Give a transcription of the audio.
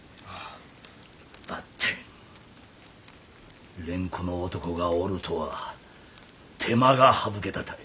ばってん蓮子の男がおるとは手間が省けたたい。